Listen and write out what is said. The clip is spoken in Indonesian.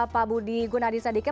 pak budi gunadisadike